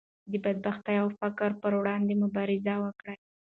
د بدبختۍ او فقر پر وړاندې مبارزه وکړئ.